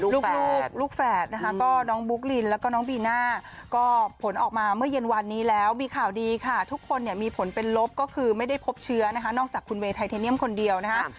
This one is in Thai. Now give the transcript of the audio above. ลูกลูกแฝดนะคะก็น้องบุ๊กลินแล้วก็น้องบีน่าก็ผลออกมาเมื่อเย็นวันนี้แล้วมีข่าวดีค่ะทุกคนเนี่ยมีผลเป็นลบก็คือไม่ได้พบเชื้อนะคะนอกจากคุณเวย์ไทเทเนียมคนเดียวนะคะ